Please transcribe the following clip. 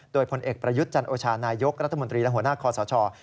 โดยผลเอกประยุทธ์จันโอชานายกรัฐมนตรีและหัวหน้าคอสช